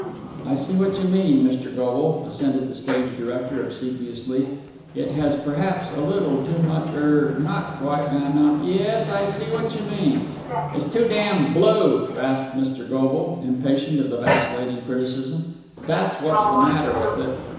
"I see what you mean, Mr. Goble," assented the stage director obsequiously. "It has perhaps a little too much er not quite enough yes, I see what you mean!" "It's too damn BLUE!" rasped Mr. Goble, impatient of the vacillating criticism. "That's what's the matter with it."